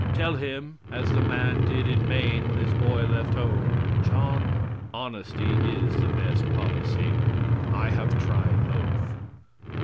Tell him, as the man did in Maine when his boy left home: "John, honesty is the best policy; I have tried both."